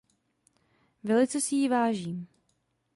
Velice si jí vážím.